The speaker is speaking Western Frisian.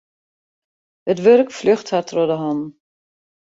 It wurk fljocht har troch de hannen.